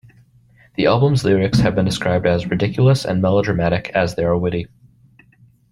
The album's lyrics have been described as "ridiculous and melodramatic as they are witty".